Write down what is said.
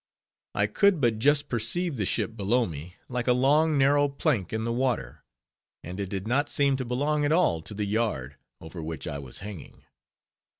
I could but just perceive the ship below me, like a long narrow plank in the water; and it did not seem to belong at all to the yard, over which I was hanging.